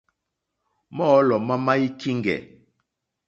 Mɔ́ɔ̌lɔ̀ má má í kíŋɡɛ̀.